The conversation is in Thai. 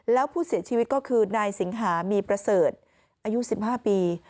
แล้วผู้เสียชีวิตก็คือนายสิงหามีประเสริฐอายุ๑๕ปี